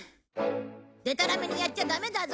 でたらめにやっちゃダメだぞ！